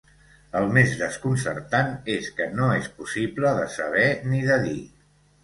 El més desconcertant és que no és possible de saber ni de dir.